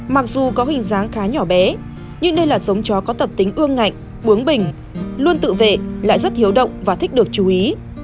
mặc dù có hình dáng khá nhỏ bé nhưng đây là giống chó có tập tính ương ngạnh búang bình luôn tự vệ lại rất hiếu động và thích được chú ý